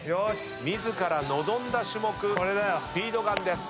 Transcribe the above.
自ら望んだ種目スピードガンです。